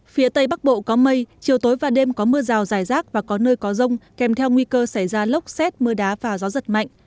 phía tây bắc bộ có mây chiều tối và đêm có mưa rào dài rác và có nơi có rông kèm theo nguy cơ xảy ra lốc xét mưa đá và gió giật mạnh